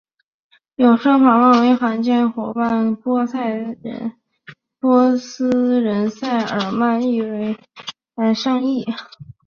有说法指穆罕默德的伙伴波斯人塞尔曼亦被视为圣裔。